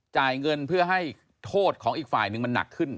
จ่ายเงินเพื่อให้โทษของอีกฝ่ายหนึ่งมันหนักขึ้น